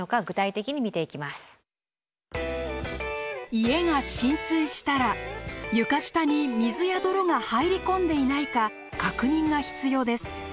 家が浸水したら床下に水や泥が入り込んでいないか確認が必要です。